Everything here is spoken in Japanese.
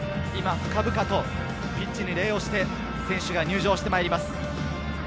今、深々とピッチに礼をして選手が入場してまいります。